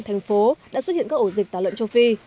thành phố đã xuất hiện các ổ dịch tả lợn châu phi